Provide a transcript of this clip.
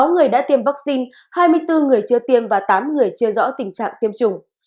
sáu người đã tiêm vaccine hai mươi bốn người chưa tiêm và tám người chưa rõ tình trạng tiêm chủng